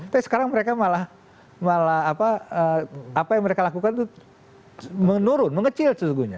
tapi sekarang mereka malah apa yang mereka lakukan itu menurun mengecil sesungguhnya